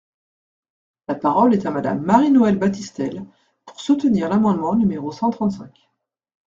La parole est à Madame Marie-Noëlle Battistel, pour soutenir l’amendement numéro cent trente-cinq.